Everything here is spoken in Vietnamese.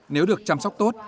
nếu được chăm sóc tốt